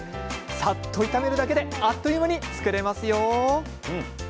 さっと炒めるだけであっという間に作れますよ。